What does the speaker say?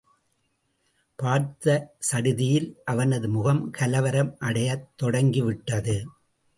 பார்த்த சடுதியில் அவனது முகம் கலவரம் அடையத் தொடங்கிவிட்டது.